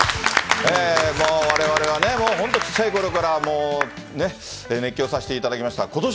われわれはね、もう本当、小さいころから、もうね、熱狂させていただきました。